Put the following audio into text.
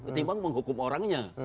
ketimbang menghukum orangnya